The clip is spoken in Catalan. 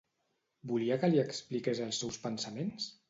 Volia que li expliqués els seus pensaments?